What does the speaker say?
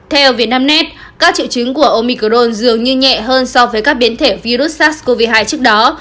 theo vietnamnet các triệu chứng của omicron dường như nhẹ hơn so với các biến thể virus sars cov hai trước đó